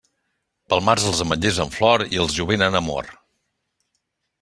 Pel març, els ametllers en flor i el jovent en amor.